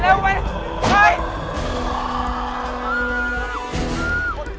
ไม่มีจะเป็นแบบเนี้ย